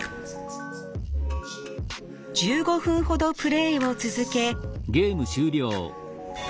１５分ほどプレーを続け。